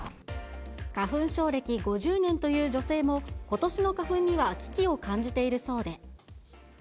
花粉症歴５０年という女性も、ことしの花粉には危機を感じているそうで。